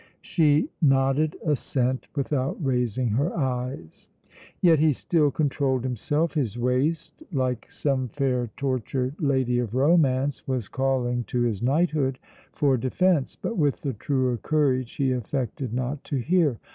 She nodded assent without raising her eyes. Yet he still controlled himself. His waist, like some fair tortured lady of romance, was calling to his knighthood for defence, but with the truer courage he affected not to hear.